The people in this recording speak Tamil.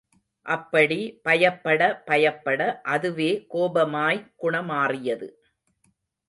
அப்படி பயப்பட பயப்பட அதுவே கோபமாய் குணமாறியது.